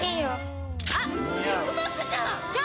あっ、ビックマックじゃん！